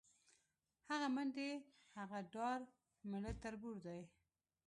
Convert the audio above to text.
هغه منډې، هغه ډار میړه تربور دی